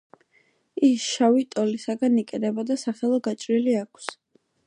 ის შავი ტოლისაგან იკერება და სახელო გაჭრილი აქვს.